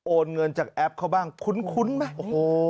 โอนเงินจากแอปเขาบ้างคุ้นไหม